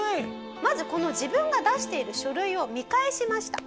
まずこの自分が出している書類を見返しました。